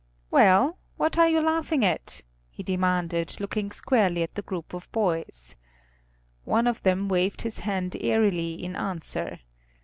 "Well, what are you laughing at?" he demanded, looking squarely at the group of boys. One of them waved his hand airily in answer.